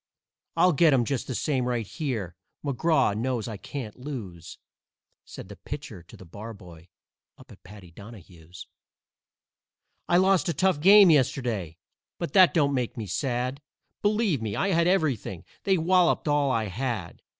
I'll get 'em just the same right here McGraw knows I can't lose." Said the Pitcher to the Barboy up at Paddy Donahue's. "I lost a tough game yesterday, but that don't make me sad; Believe me, I had everything they walloped all I had.